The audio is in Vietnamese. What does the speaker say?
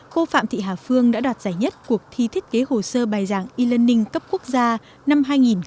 cô phạm thị hà phương đã đoạt giải nhất cuộc thi thiết kế hồ sơ bài giảng e learning cấp quốc gia năm hai nghìn một mươi tám